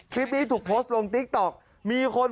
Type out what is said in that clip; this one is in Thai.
คุณผู้ชมเอ็นดูท่านอ่ะ